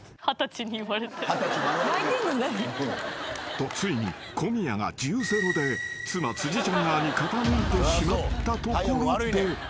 ［とついに小宮が１０対０で妻辻ちゃん側に傾いてしまったところで］